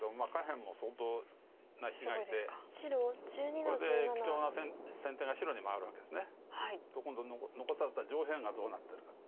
これで貴重な先手が白に回るわけです。と今度残された上辺がどうなってるかって。